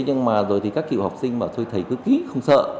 nhưng mà rồi thì các kiểu học sinh bảo thầy cứ ký không sợ